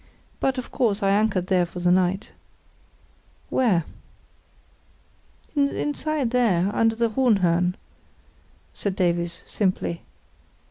But, of course, I anchored there for the night." "Where?" "Inside there, under the Hohenhörn," said Davies, simply.